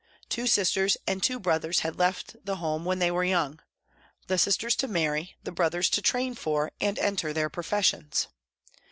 Two sisters and two brothers had left the home when they were young the sisters to marry, the brothers to train for and enter their professions.